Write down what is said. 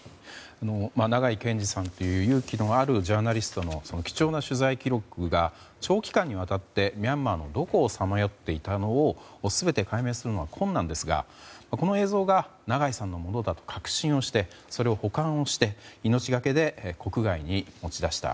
長井健司さんという勇気のあるジャーナリストの貴重な取材記録が長期間にわたってミャンマーのどこをさまよっていたのかを全て解明するのは困難ですがこの映像が長井さんのものだと確信をしてそれを保管して命がけで国外に持ち出した。